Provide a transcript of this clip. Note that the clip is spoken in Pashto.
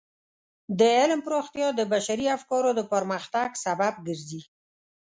د علم پراختیا د بشري افکارو د پرمختګ سبب ګرځي.